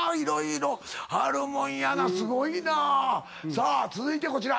さあ続いてこちら。